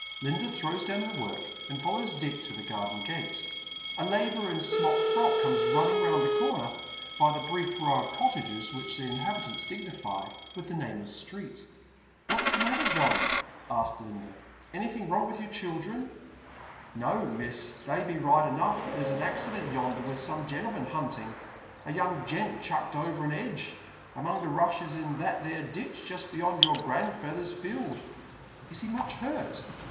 Linda throws do^vn her work and follows Dick to the garden gate. A labourer in a smock frock comes running round the corner, by the brief row of cottages which the inhabi tants dignify with the name of street. " What's the matter, John ?" asks Linda ;" anything wrong with your children ?"" No, miss, they be right enough, but there's a accident yonder with some gentlemen hunting, a young gent chucked over an 'edge', among the rushes in that there ditch just beyond your gi andfej ther's field." " Is he mv.ch hurt